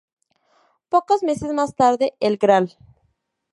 Pocos meses más tarde, el Gral.